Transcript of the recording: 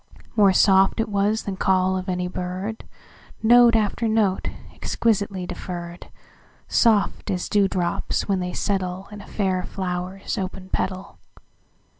More soft it was than call of any bird, Note after note, exquisitely deferr'd, Soft as dew drops when they settleIn a fair flower's open petal.